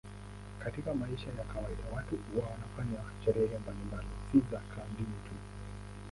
Katika maisha ya kawaida watu wanafanya sherehe mbalimbali, si za dini tu.